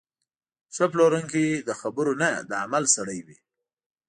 ښه پلورونکی د خبرو نه، د عمل سړی وي.